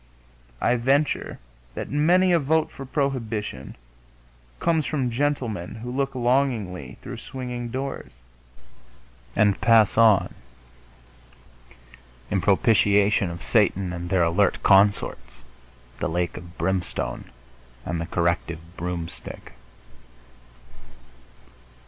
I venture that many a vote for prohibition comes from gentlemen who look longingly through swinging doors and pass on in propitiation of Satan and their alert consorts, the lake of brimstone and the corrective broomstick....